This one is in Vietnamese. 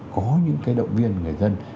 có những cái động viên người dân